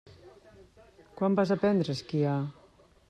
Quan vas aprendre a esquiar?